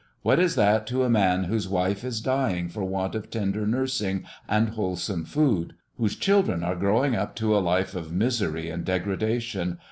What is that to a man whose wife is dying for want of tender nursing and wholesome food? whose children are growing up to a life of misery and degradation?